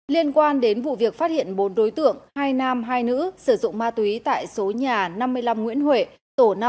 liên quan đến vụ việc phát hiện bốn đối tượng hai nam hai nữ sử dụng ma túy tại số nhà năm mươi năm nguyễn huệ tổ năm